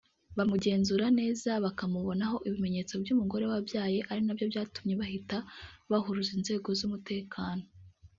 bamugenzura neza bakamubonaho ibimenyetso by’umugore wabyaye ari nabyo byatumye bahita bahuruza inzego z’umutekano